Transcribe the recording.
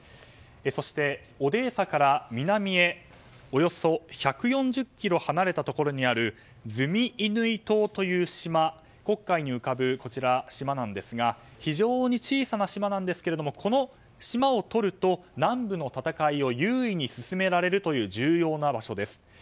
そして、オデーサから南へおよそ１４０ｋｍ離れたところにあるズミイヌイ島という黒海に浮かぶ島なんですが非常に小さな島ですがこの島をとると南部の戦いを優位に進められるという重要な場所です。